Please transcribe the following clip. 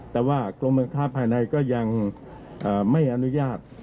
แต่ว่ากรมการค้าภายในก็ยังไม่อนุญาต